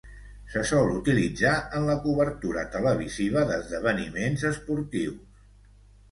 Se sol utilitzar en la cobertura televisiva d'esdeveniments esportius.